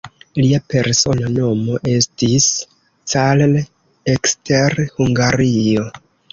Lia persona nomo estis "Carl" ekster Hungario.